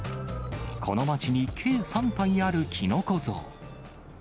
この町に計３体あるキノコ像。